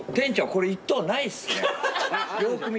これ１等ないっすね。